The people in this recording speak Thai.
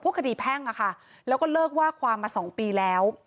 คดีแพ่งอะค่ะแล้วก็เลิกว่าความมา๒ปีแล้ว